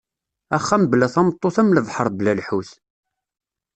Axxam bla tameṭṭut am lebḥer bla lḥut.